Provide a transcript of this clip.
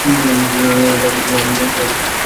তাই প্রত্যুষে আমি তাকে সুসংবাদ দেয়ার জন্য গেলাম।